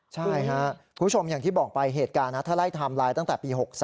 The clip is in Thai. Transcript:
ใช่ครับคุณผู้ชมอย่างที่บอกไปเหตุการณ์นะถ้าไล่ไทม์ไลน์ตั้งแต่ปี๖๓